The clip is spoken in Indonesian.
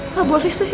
tak boleh sayang